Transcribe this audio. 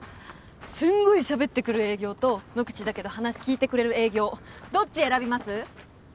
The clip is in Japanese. すんごいしゃべってくる営業と無口だけど話聞いてくれる営業どっち選びます？